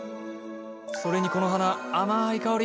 それにこの花甘い香り。